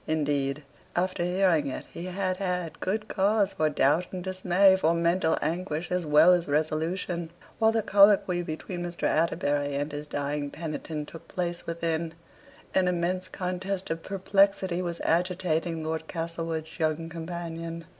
Indeed, after hearing it, he had had good cause for doubt and dismay; for mental anguish as well as resolution. While the colloquy between Mr. Atterbury and his dying penitent took place within, an immense contest of perplexity was agitating Lord Castlewood's young companion.